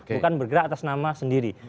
bukan bergerak atas nama sendiri